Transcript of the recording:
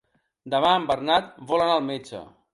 Demà en Bernat vol anar al metge.